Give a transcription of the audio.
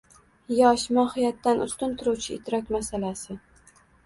Yosh – mohiyatdan ustun turuvchi idrok masalasi.